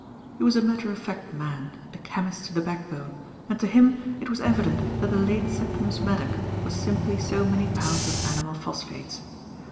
He was a matter of fact man, a chemist to the backbone, and to him it was evident that the late Septimus Maddock was simply so many pounds of animal phosphates.